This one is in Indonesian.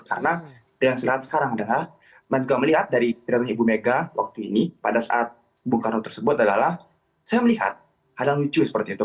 karena yang saya lihat sekarang adalah saya juga melihat dari perhatian ibu mega waktu ini pada saat bung karo tersebut adalah saya melihat hal yang lucu seperti itu